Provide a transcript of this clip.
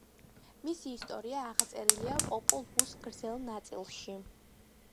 მისი ისტორია აღწერილია პოპოლ ვუს გრძელ ნაწილში.